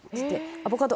アボカド。